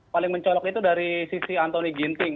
paling mencolok itu dari sisi antoni ginting